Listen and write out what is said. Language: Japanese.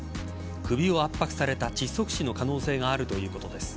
首を圧迫された窒息死の可能性があるということです。